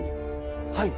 はい。